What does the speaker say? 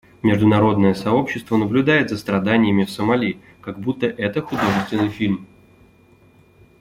Международное сообщество наблюдает за страданиями в Сомали, как будто это художественный фильм.